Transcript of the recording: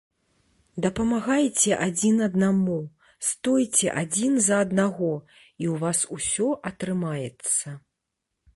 Дапамагайце адзін аднаму, стойце адзін за аднаго, і ў вас усё атрымаецца!